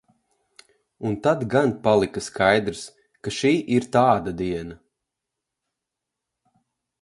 Un tad gan palika skaidrs, ka šī ir tāda diena.